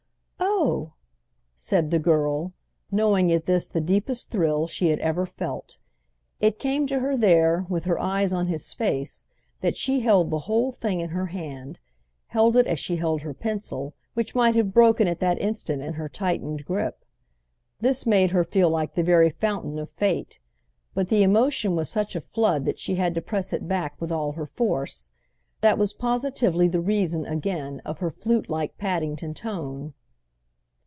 "Oh!" said the girl, knowing at this the deepest thrill she had ever felt. It came to her there, with her eyes on his face, that she held the whole thing in her hand, held it as she held her pencil, which might have broken at that instant in her tightened grip. This made her feel like the very fountain of fate, but the emotion was such a flood that she had to press it back with all her force. That was positively the reason, again, of her flute like Paddington tone.